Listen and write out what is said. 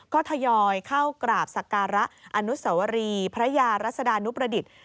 ก็ทยอยเข้ากราบสักการะอนุสวรีพระยารัศดานุประดิษฐ์